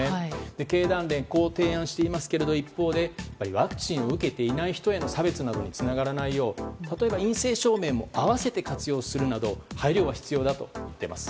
経団連はこう提案していますが一方でワクチンを打てていない人への差別などにつながらないよう陰性証明も併せて活用するなど配慮が必要だと言っています。